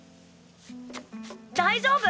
大丈夫！